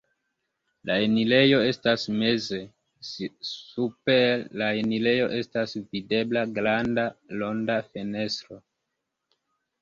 La enirejo estas meze, super la enirejo estas videbla granda ronda fenestro.